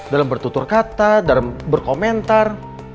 dalam bertutur kata dalam berkomentar